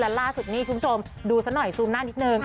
และล่าสุดนี่คุณผู้ชมดูซะหน่อยซูมหน้านิดนึง